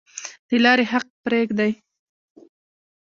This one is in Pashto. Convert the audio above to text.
د لارې حق پریږدئ؟